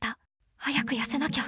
早く痩せなきゃ。